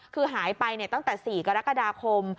คือหายไปตั้งแต่๔กรกฎาคม